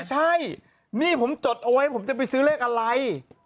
ใช่นี่ผมจดเอาไว้ผมจะไปซื้อเลขอะไร